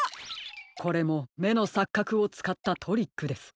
これもめのさっかくをつかったトリックです。